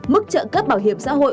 mức trợ cấp bảo hiểm xã hội